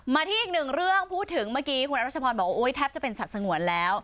ที่อีกหนึ่งเรื่องพูดถึงเมื่อกี้คุณอรัชพรบอกว่าแทบจะเป็นสัตว์สงวนแล้ว